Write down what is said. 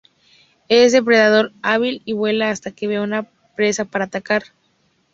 Es depredador hábil y vuela hasta que vea una presa para atacar.